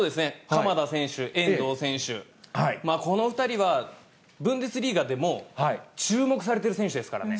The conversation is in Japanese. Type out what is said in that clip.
鎌田選手、遠藤選手、この２人はブンデスリーガでも注目されてる選手ですからね。